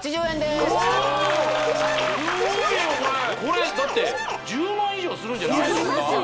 すごいよこれこれだって１０万円以上はするんじゃないですか？